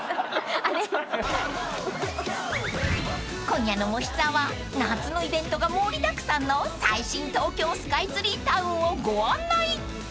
［今夜の『もしツア』は夏のイベントが盛りだくさんの最新東京スカイツリータウンをご案内］